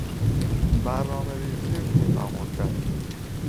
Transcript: برنامهریزی کوتاه مدت